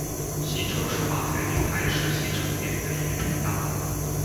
新城数码财经台是新城电台的一个频道。